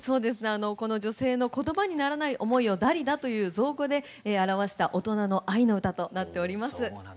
女性の言葉にならない思いを「ＤＡ・ＬＩ・ＤＡ」という造語で表した大人の愛の歌となっております。